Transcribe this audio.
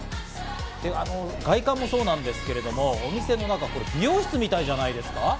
外観もそうなんですけれども、お店の中も美容室みたいじゃないですか？